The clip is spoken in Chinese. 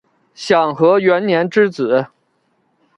享和元年之子。